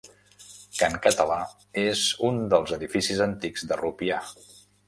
Can Català és un dels edificis antics de Rupià.